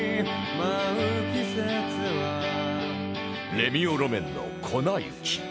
レミオロメンの『粉雪』